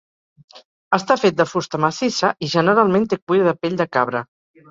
Està fet de fusta massissa i, generalment, té cuir de pell de cabra.